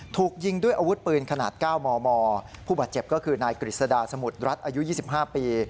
ถูกยิงด้วยอาวุธปืนขนาด๙มมผู้บาดเจ็บก็คือนายกฤษดาสมุทรรัฐอายุ๒๕ปี